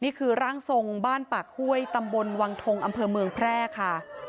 นี่คือร่างทรงบ้านปากห้วยตำบลวังทงอำเภอเมืองแพร่ค่ะ